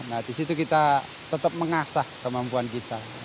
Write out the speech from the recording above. nah disitu kita tetap mengasah kemampuan kita